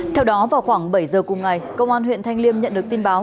theo đó vào khoảng bảy giờ cùng ngày công an huyện thanh liêm nhận được tin báo